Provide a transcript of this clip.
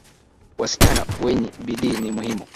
Wasichana wenyi bidii ni muhimu